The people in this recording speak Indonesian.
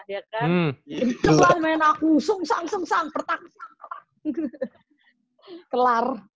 itu lah main aku sungsang sungsang pertang sungsang kelar